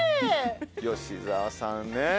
吉沢さんね